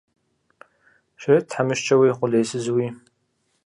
Щрет тхьэмыщкӏэуи, къулейсызууи.